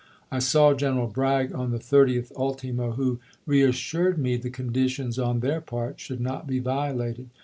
I saw General Bragg on the 30th ultimo, who reassured me the conditions on their part should not be violated.